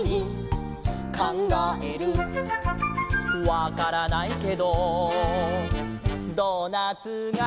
「わからないけどドーナツが」